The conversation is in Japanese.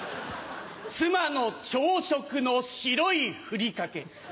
妻の朝食の白いふりかけ。